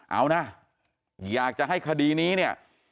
เอานะอยากจะให้คดีนี้เนี่ย